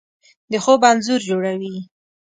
د خوب انځور جوړوي